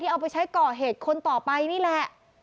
เอาไปใช้ก่อเหตุคนต่อไปนี่แหละ